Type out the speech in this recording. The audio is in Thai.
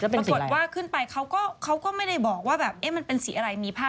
ปรากฏว่าขึ้นไปเขาก็ไม่ได้บอกว่าแบบเอ๊ะมันเป็นสีอะไรมีภาพ